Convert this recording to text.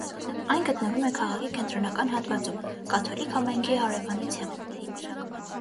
Այն գտնվում է քաղաքի կենտրոնական հատվածում՝ կաթոլիկ համայնքի հարևանությամբ։